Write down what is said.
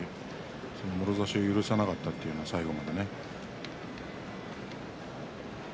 もろ差しを許さなかったという最後まで。